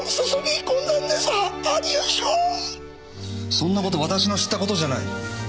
そんなことは私の知ったことじゃない。